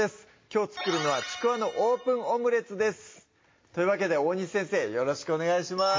きょう作るのは「ちくわのオープンオムレツ」ですというわけで大西先生よろしくお願いします